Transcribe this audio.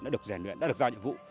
đã được rèn luyện đã được giao nhiệm vụ